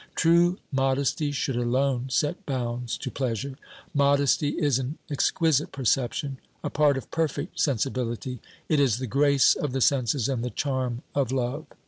True modesty should alone set bounds to pleasure. Modesty is an exquisite perception, a part of perfect sensi bility ; it is the grace of the senses and the charm of love.